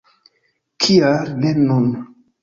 Kial ne nun!